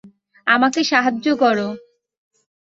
আমাকে সাহায্য করো।